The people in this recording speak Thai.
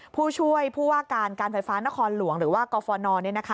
ผู้ช่วยผู้ว่าการการไฟฟ้านครหลวงหรือว่ากฟน